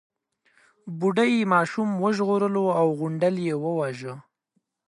بوډۍ ماشوم وژغورلو او غونډل يې وواژه.